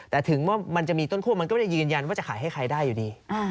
แต่ถึงว่ามันจะมีต้นคั่วมันก็ไม่ได้ยืนยันว่าจะขายให้ใครได้อยู่ดี